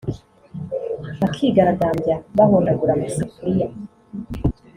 bakigaragambya bahondagura amasafuriya